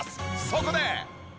そこで。